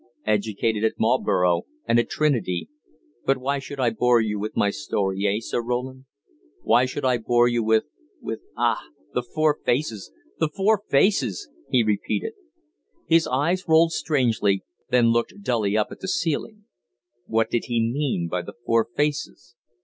Educated at Marlborough and at Trinity but why should I bore you with my story eh, Sir Roland? Why should I bore you with, with ah! The Four Faces! The Four Faces!" he repeated. His eyes rolled strangely, then looked dully up at the ceiling. What did he mean by "The Four Faces"?